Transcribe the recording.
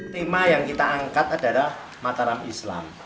tema yang kita angkat adalah mataram islam